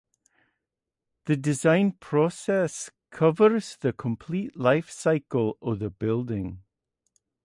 The design process covers the complete life cycle of the building.